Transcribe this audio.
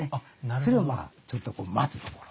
それをまあちょっと待つところ。